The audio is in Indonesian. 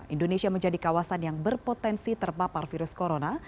indonesia menjadi kawasan yang berpotensi terpapar virus corona